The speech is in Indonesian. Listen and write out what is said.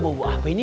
gue bau apa ini